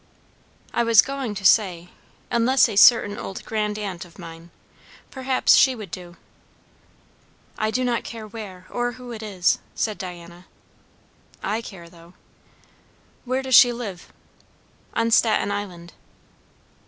"I was going to say, unless a certain old grandaunt of mine. Perhaps she would do." "I do not care where or who it is," said Diana. "I care, though." "Where does she live?" "On Staten Island."